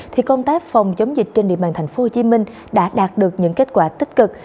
thì công tác phòng chống dịch trên địa bàn tp hcm đã đạt được những kết quả tích cực